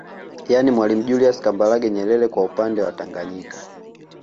Yani Mwalimu Julius Kambarage Nyerere kwa upande wa Tanganyika